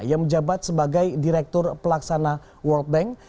ia menjabat sebagai direktur pelaksana world bank